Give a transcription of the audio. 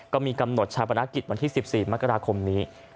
ก็มีกำหนดชาปนกิจวันที่๑๔มกราคมนี้